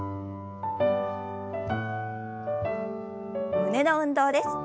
胸の運動です。